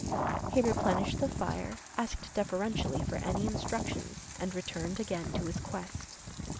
He replenished the fire, asked deferentially for any instructions and returned again to his quest.